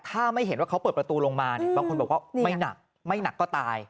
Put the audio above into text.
ถ้าไม่เห็นว่าเขาเปิดประตูลงมาเนี่ยบางคนบอกว่าไม่หนักไม่หนักก็ตาย